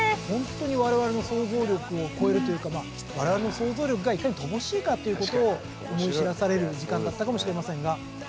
ほんとに我々の想像力を超えるというか我々の想像力がいかに乏しいかっていうことを思い知らされる時間だったかもしれませんが。